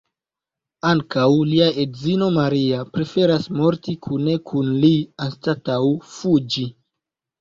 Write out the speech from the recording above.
Ankaŭ lia edzino Maria preferas morti kune kun li anstataŭ fuĝi.